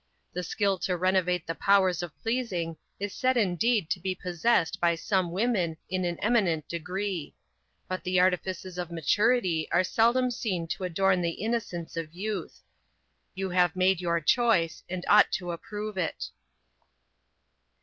The skill to renovate the powers of pleasing is said indeed to be possessed by some women in an eminent degree; but the artifices of maturity are seldom seen to adorn the innocence of youth: you have made your choice, and ought to approve it.